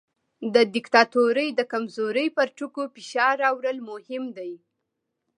د دیکتاتورۍ د کمزورۍ پر ټکو فشار راوړل مهم دي.